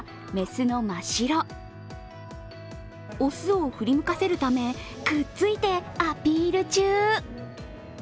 雄を振り向かせるためくっついアピール中。